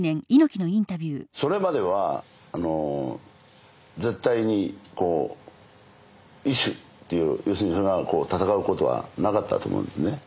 それまではあの絶対にこう異種っていう要するにそれが戦うことはなかったと思うんですね。